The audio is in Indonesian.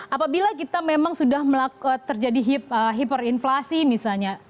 apabila kita memang sudah terjadi hiperinflasi misalnya